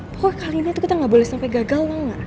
pokoknya kali ini tuh kita gak boleh sampai gagal banget